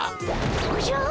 おじゃ！